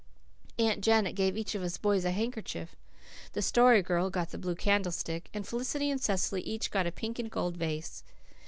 Aunt Janet gave each of us boys a handkerchief. The Story Girl got the blue candlestick, and Felicity and Cecily each got a pink and gold vase.